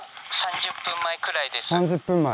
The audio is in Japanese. ３０分前。